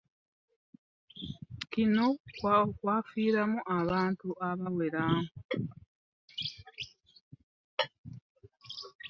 Kuno okwafiiramu abantu abawera